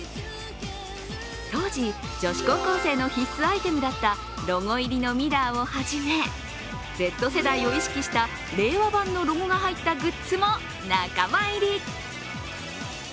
当時、女子高校生の必須アイテムだったロゴ入りのミラーを始めＺ世代を意識した令和版のロゴが入ったグッズも仲間入り。